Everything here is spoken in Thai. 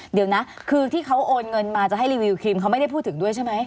เดี๋ยวนะคือที่เขาโอนเงินมาจะให้รีวิวครีมเขาไม่ได้พูดถึงด้วยใช่ไหม